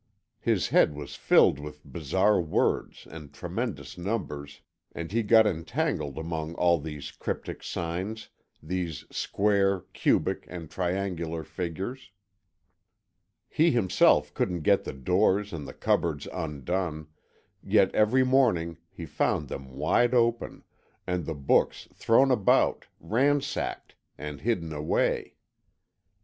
His head was filled with bizarre words and tremendous numbers, and he got entangled among all these cryptic signs, these square, cubic, and triangular figures. He himself couldn't get the doors and the cupboards undone, yet every morning he found them wide open, and the books thrown about, ransacked, and hidden away.